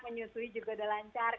menyusui juga sudah lancar